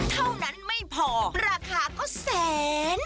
เท่านั้นไม่พอราคาก็แสน